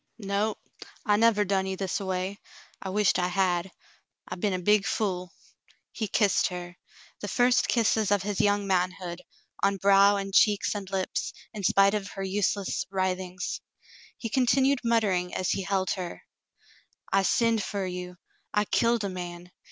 "No, I never done you this a way. I wisht I had. I be'n a big fool." He kissed her, the first kisses of his young manhood, on brow and cheeks and lips, in spite of her useless wri things. He continued muttering as he held her: *'I sinned fer you. I killed a man.